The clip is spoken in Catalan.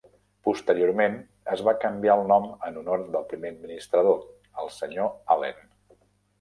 Posteriorment es va canviar el nom en honor del primer administrador, el senyor Allen.